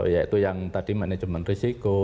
yaitu yang tadi manajemen risiko